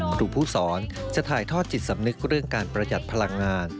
ครูผู้สอนจะถ่ายทอดจิตสำนึกเรื่องการประหยัดพลังงาน